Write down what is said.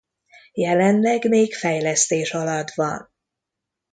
Jelenleg még fejlesztés alatt van.